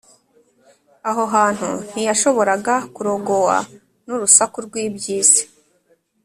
Aho hantu, ntiyashoboraga kurogowa n’urusaku rw’iby’isi